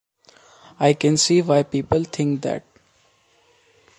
I can see why people think that.